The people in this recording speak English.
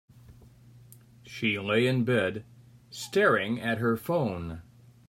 She lay in bed, staring at her phone.